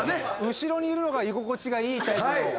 後ろにいるのが居心地がいいタイプの人間なんで。